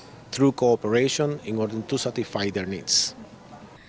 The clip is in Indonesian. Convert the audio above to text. melalui kooperasi untuk mencapai kebutuhan mereka